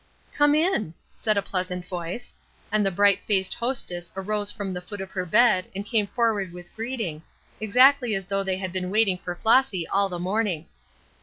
"Come in," said a pleasant voice, and the bright faced hostess arose from the foot of her bed and came forward with greeting, exactly as though they had been waiting for Flossy all the morning.